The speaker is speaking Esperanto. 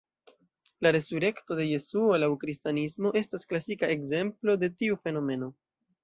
La resurekto de Jesuo laŭ Kristanismo estas klasika ekzemplo de tiu fenomeno.